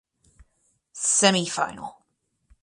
Semifinal.